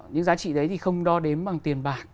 những giá trị đấy thì không đo đếm bằng tiền bạc